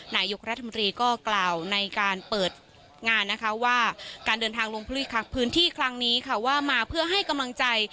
นายกรัฐมนตรีก็กล่าวในการเปิดงานนะคะว่าการเดินทางลงพื้นที่ครั้งนี้ค่ะว่ามาเพื่อให้กำลังใจ